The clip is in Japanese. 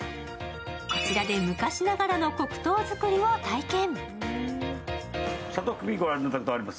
こちらで昔ながらの黒糖作りを体験。